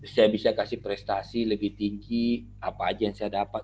saya bisa kasih prestasi lebih tinggi apa aja yang saya dapat